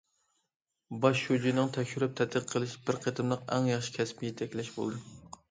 باش شۇجىنىڭ تەكشۈرۈپ تەتقىق قىلىشى بىر قېتىملىق ئەڭ ياخشى كەسپىي يېتەكلەش بولدى.